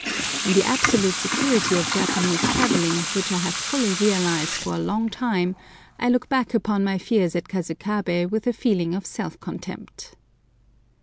In the absolute security of Japanese travelling, which I have fully realised for a long time, I look back upon my fears at Kasukabé with a feeling of self contempt.